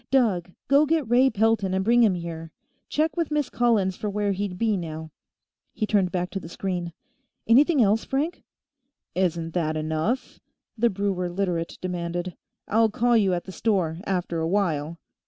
"Doug, go get Ray Pelton and bring him here. Check with Miss Collins for where he'd be, now." He turned back to the screen. "Anything else, Frank?" "Isn't that enough?" the brewer Literate demanded. "I'll call you at the store, after a while.